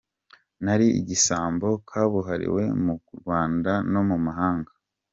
Nari igisambo kabuhariwe mu Rwanda no mu mahanga.